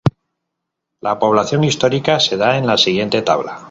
La población histórica se da en la siguiente tabla.